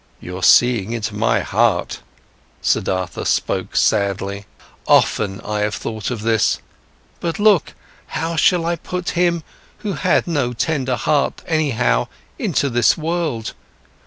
"You're seeing into my heart," Siddhartha spoke sadly. "Often, I have thought of this. But look, how shall I put him, who had no tender heart anyhow, into this world?